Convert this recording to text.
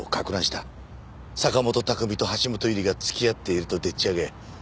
坂元拓海と橋本優里が付き合っているとでっち上げ